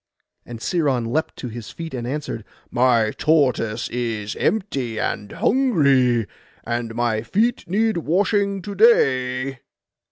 And Sciron leapt to his feet, and answered—'My tortoise is empty and hungry, and my feet need washing to day.